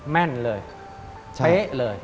แม่นเลยเป๊ะเลย